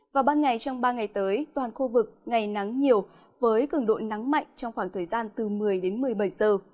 vào ban ngày trong ba ngày tới toàn khu vực ngày nắng nhiều với cường độ nắng mạnh trong khoảng thời gian từ một mươi đến một mươi bảy giờ